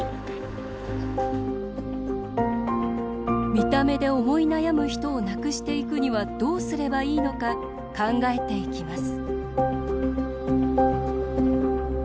見た目で思い悩む人をなくしていくにはどうすればいいのか考えていきます。